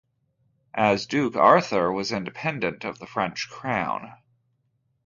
As duke, Arthur was independent of the French crown.